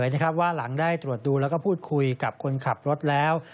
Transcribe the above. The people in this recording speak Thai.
ว่าหลังได้ตรวจดูแล้วก็พูดคุยกับคนขับรถแล้ว